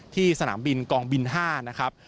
สนามบินกองบิน๕นะครับ